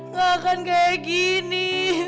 gak akan kayak gini